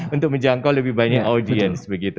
untuk menjangkau lebih banyak audiens begitu